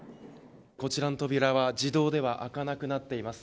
こちらの扉は自動では開かなくなっています。